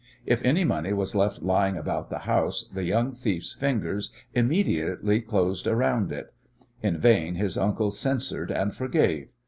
If any money was left lying about the house the young thief's fingers immediately closed round it. In vain his uncle censured and forgave.